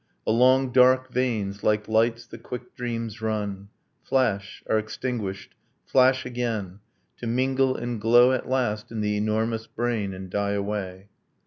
. Along dark veins, like lights the quick dreams run, Flash, are extinguished, flash again, To mingle and glow at last in the enormous brain And die away